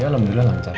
ya alhamdulillah lancar